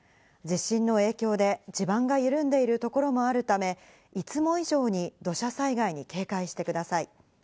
地震の影響で地盤が緩んでいる所もあるため、いつも以上に土砂災害に警戒してください。